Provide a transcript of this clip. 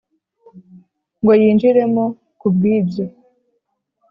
ngo yinjiremo Ku bw ibyo